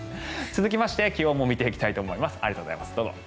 続きまして気温も見ていきたいと思います。